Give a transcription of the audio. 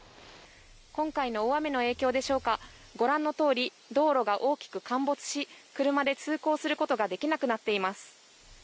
今回の大雨の影響でしょうかご覧のとおり道路が大きく陥没し車で通行することができなくなっています